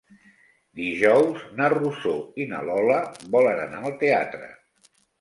Dijous na Rosó i na Lola volen anar al teatre.